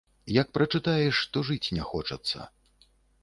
Як прачытаеш, то жыць не хочацца.